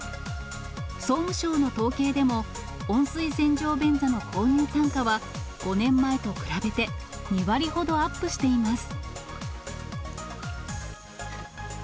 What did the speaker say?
総務省の統計でも、温水洗浄便座の購入単価は、５年前と比べて２割ほどアップしています。